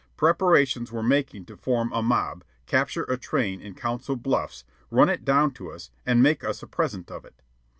Preparations were making to form a mob, capture a train in Council Bluffs, run it down to us, and make us a present of it.